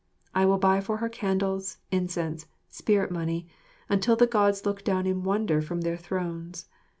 I will buy for her candles, incense, spirit money, until the Gods look down in wonder from their thrones.